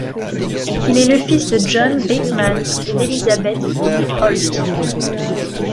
Il est le fils de John Bateman et d’Elizabeth née Holt.